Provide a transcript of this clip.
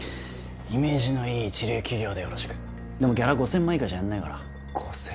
イメージのいい一流企業でよろしくでもギャラ５０００万以下じゃやんないから５０００万